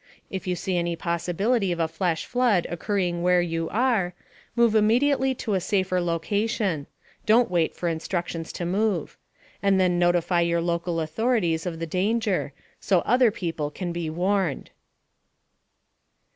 If you see any possibility of a flash flood occurring where you are, move immediately to a safer location (don't wait for instructions to move), and then notify your local authorities of the danger, so other people can be warned.